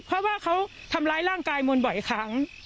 เพราะว่าเขาทำร้ายร่างกายมนต์บ่อยครั้ง